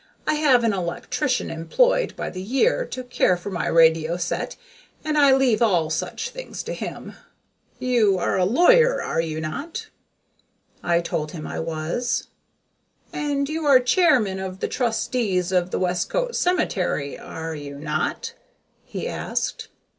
I have an electrician employed by the year to care for my radio set and I leave all such things to him. You are a lawyer, are you not?" I told him I was. "And you are chairman of the trustees of the Westcote Cemetery, are you not?" he asked.